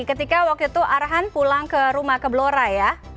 ketika waktu itu arhan pulang ke rumah ke blora ya